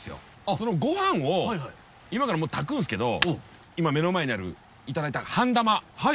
そのご飯を今からもう炊くんですけど今目の前にあるいただいたハンダマ。